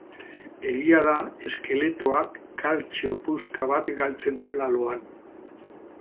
egia da eskeletoak kaltzio puska bat galtzen duela loan.